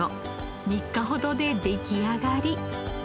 ３日ほどで出来上がり。